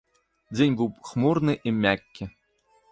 Дзень быў хмурны і мяккі.